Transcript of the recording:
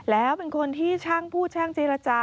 แล้วเป็นคนที่ช่างพูดช่างเจรจา